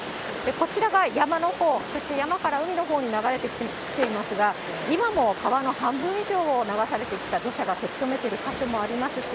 こちらが山のほう、そして山から海のほうに流れてきていますが、今も川の半分以上を流されてきた土砂がせき止めている箇所もありますし、